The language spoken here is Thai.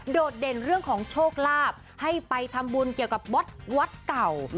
โดดเด่นเรื่องของโชคลาภให้ไปทำบุญเกี่ยวกับวัดวัดเก่า